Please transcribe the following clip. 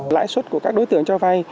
lãi suất của các đối tượng cho vay